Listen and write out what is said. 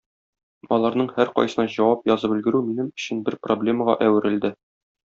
Аларның һәркайсына җавап язып өлгерү минем өчен бер проблемага әверелде.